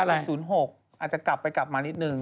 อาจจะกลับไปกลับมานิดนึง